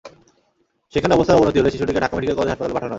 সেখানে অবস্থার অবনতি হলে শিশুটিকে ঢাকা মেডিকেল কলেজ হাসপাতালে পাঠানো হয়।